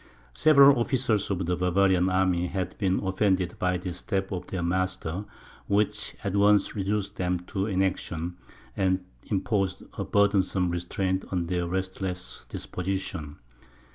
Several officers of the Bavarian army had been offended by this step of their master, which at once reduced them to inaction, and imposed a burdensome restraint on their restless disposition.